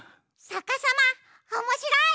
さかさまおもしろい！